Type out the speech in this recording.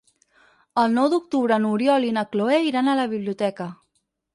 El nou d'octubre n'Oriol i na Cloè iran a la biblioteca.